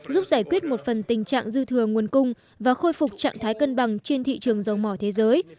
giúp giải quyết một phần tình trạng dư thừa nguồn cung và khôi phục trạng thái cân bằng trên thị trường dầu mỏ thế giới